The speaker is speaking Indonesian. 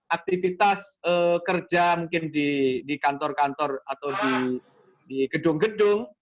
aktivitas kerja mungkin di kantor kantor atau di gedung gedung